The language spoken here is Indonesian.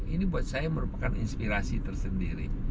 ini buat saya merupakan inspirasi tersendiri